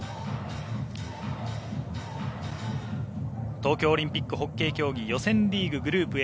東京オリンピックホッケー競技予選リーググループＡ